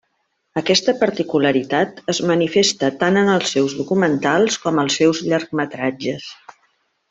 Aquesta particularitat es manifesta tant en els seus documentals com als seus llargmetratges.